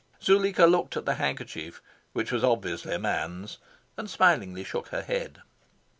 Zuleika looked at the handkerchief, which was obviously a man's, and smilingly shook her head.